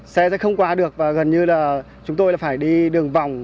xe sẽ không qua được và gần như là chúng tôi phải đi đường vòng